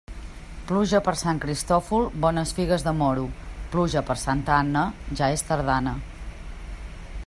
Pluja per Sant Cristòfol, bones figues de moro; pluja per Santa Anna, ja és tardana.